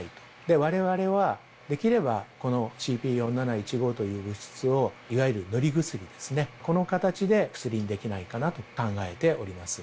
われわれはできればこのＣＰ４７１５という物質を、いわゆる塗り薬ですね、この形で薬にできないかなと考えております。